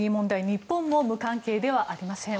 日本も無関係ではありません。